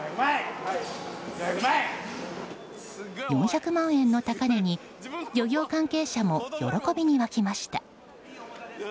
４００万円の高値に漁業関係者も喜びに沸きました。